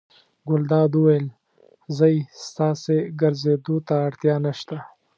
ګلداد وویل: ځئ ستاسې ګرځېدو ته اړتیا نه شته.